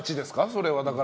それは。